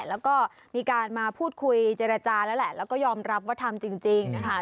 แล้วก็มีการมาพูดคุยเจรจาแล้วแหละแล้วก็ยอมรับว่าทำจริงนะคะ